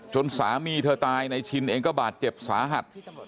สามีเธอตายนายชินเองก็บาดเจ็บสาหัส